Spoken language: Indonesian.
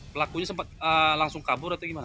pelakunya sempat langsung kabur atau gimana